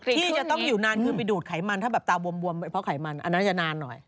ที่จะต้องอยู่นานคือไปดูดไขมันถ้าแบบตาบวมเพราะไขมันอันนั้นจะนานหน่อย